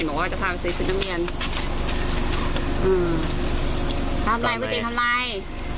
อืมทำไรพี่จริงทำไร